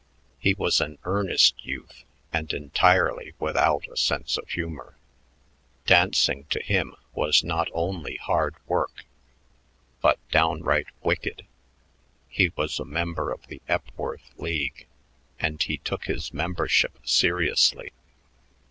He was an earnest youth and entirely without a sense of humor. Dancing to him was not only hard work but downright wicked. He was a member of the Epworth League, and he took his membership seriously.